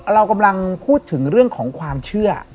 เรากำลังพูดถึงเรื่องของความเชื่อ